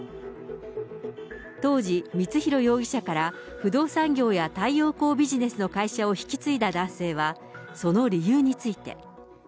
当時、光弘容疑者から不動産業や太陽光ビジネスの会社を引き継いだ男性は、その理由について。